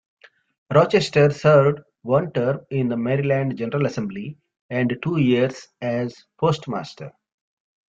Rochester served one term in the Maryland General Assembly, and two years as postmaster.